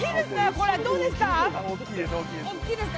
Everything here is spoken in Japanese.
これどうですか？